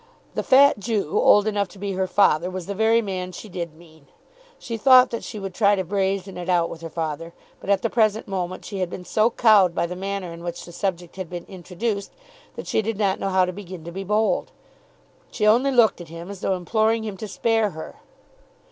The fat Jew, old enough to be her father, was the very man she did mean. She thought that she would try to brazen it out with her father. But at the present moment she had been so cowed by the manner in which the subject had been introduced that she did not know how to begin to be bold. She only looked at him as though imploring him to spare her.